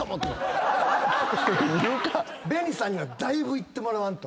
ＢＥＮＩさんにはだいぶいってもらわんと。